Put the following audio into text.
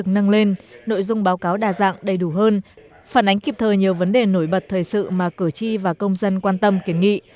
năng lên nội dung báo cáo đa dạng đầy đủ hơn phản ánh kịp thời nhiều vấn đề nổi bật thời sự mà cử tri và công dân quan tâm kiến nghị